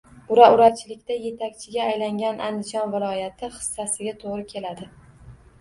Ura-urachilikda yetakchiga aylangan Andijon viloyati hissasiga toʻgʻri keladi.